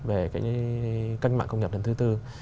về cái kênh mạng công nhập lần thứ bốn